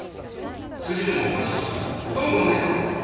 筋でもおかしくしたら元も子もねえぞ！